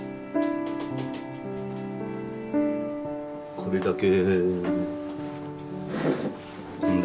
これだけ。